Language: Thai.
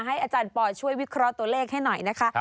อาจารย์ปอช่วยวิเคราะห์ตัวเลขให้หน่อยนะคะ